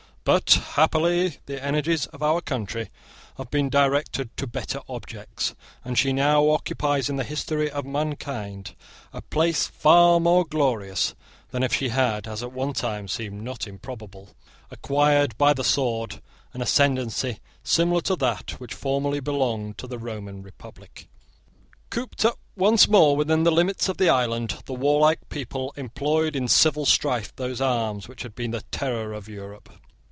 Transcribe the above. But happily the energies of our country have been directed to better objects; and she now occupies in the history of mankind a place far more glorious than if she had, as at one time seemed not improbable, acquired by the sword an ascendancy similar to that which formerly belonged to the Roman republic. Cooped up once more within the limits of the island, the warlike people employed in civil strife those arms which had been the terror of Europe.